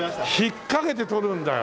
引っかけて取るんだよ。